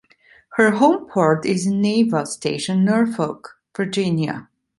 Her home port is in Naval Station Norfolk, Virginia.